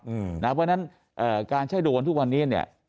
เพราะฉะนั้นการใช้โดรนทุกวันนี้เนี่ย